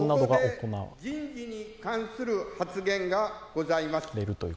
ここで人事に関する発言がございます。